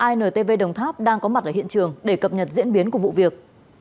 intv đồng tháp đang có mặt ở hiện trường để cập nhật diễn biến của vụ việc